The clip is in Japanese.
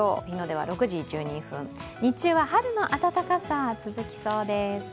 日の出は６時１２分、日中は春の暖かさが続きそうです。